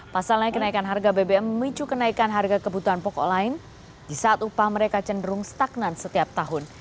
pasalnya kenaikan harga bbm memicu kenaikan harga kebutuhan pokok lain di saat upah mereka cenderung stagnan setiap tahun